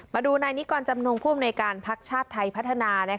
มาดูนายนิกรจำนงผู้อำนวยการพักชาติไทยพัฒนา